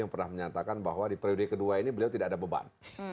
yang pernah menyatakan bahwa di periode kedua ini beliau tidak ada beban